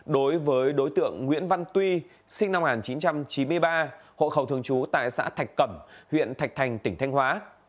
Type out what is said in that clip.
đối với đối tượng nguyễn văn tuy sinh năm một nghìn chín trăm chín mươi ba hộ khẩu thường trú tại xã thạch cẩm huyện thạch thành tỉnh thanh hóa